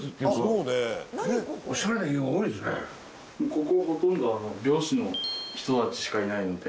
ここほとんど漁師の人たちしかいないので。